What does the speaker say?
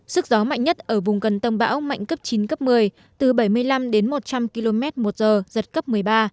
sức gió mạnh nhất ở vùng gần tâm bão mạnh cấp chín cấp một mươi từ bảy mươi năm đến một trăm linh km một giờ giật cấp một mươi ba